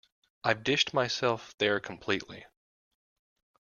I've dished myself there completely.